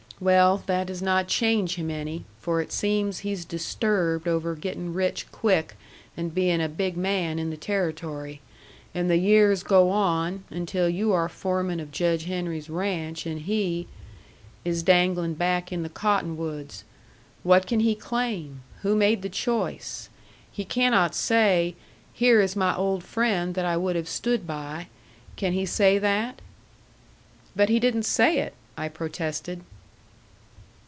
Well, that does not change him any, for it seems he's disturbed over getting rich quick and being a big man in the Territory. And the years go on, until you are foreman of Judge Henry's ranch and he is dangling back in the cottonwoods. What can he claim? Who made the choice? He cannot say, 'Here is my old friend that I would have stood by.' Can he say that?" "But he didn't say it," I protested.